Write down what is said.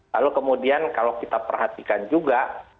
lalu kemudian kalau kita perhatikan juga